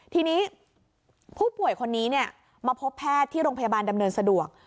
ทีนี้ผู้ป่วยคนนี้มาพบแพทย์ที่โรงพยาบาลดำเนินสะดวก